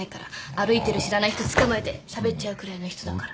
歩いてる知らない人つかまえてしゃべっちゃうくらいの人だから。